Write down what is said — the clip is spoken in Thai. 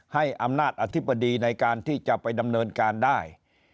ให้อำนาจอธิบดีในการที่จะไปดำเนินการได้